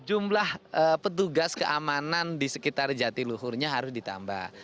jumlah petugas keamanan di sekitar jatiluhurnya harus ditambah